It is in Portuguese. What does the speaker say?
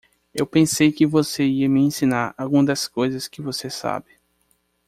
Eu pensei que você ia me ensinar algumas das coisas que você sabe.